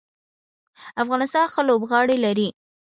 افغانستان ښه لوبغاړي لري.